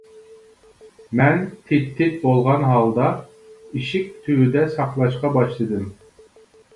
مەن تىت-تىت بولغان ھالدا ئىشىك تۈۋىدە ساقلاشقا باشلىدىم.